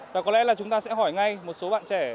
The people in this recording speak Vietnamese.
và có lẽ là chúng ta sẽ hỏi ngay một số bạn trẻ